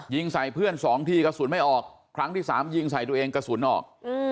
ยิงใส่เพื่อนสองทีกระสุนไม่ออกครั้งที่สามยิงใส่ตัวเองกระสุนออก